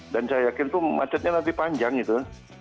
dan saya yakin itu macetnya nanti panjang gitu